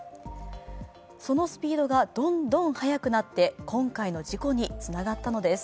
そのスピードがどんどん速くなって今回の事故につながったのです。